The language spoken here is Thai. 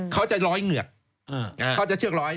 เขาจะร้อยเหงือกเขาจะเชือกร้อย